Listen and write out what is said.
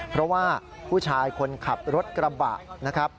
เพราะว่าผู้ชายคนขับรถกระบะนะครับ